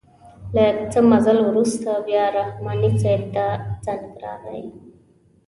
له څه مزل وروسته بیا رحماني صیب ته زنګ راغئ.